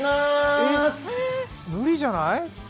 無理じゃない？